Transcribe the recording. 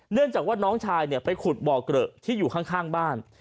เนื่องจากว่าน้องชายไปขุดบ่อเกลอะที่อยู่ข้างบ้าน